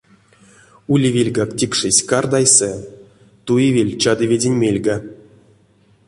Улевельгак тикшесь кардайсэ, туевель чадыведенть мельга.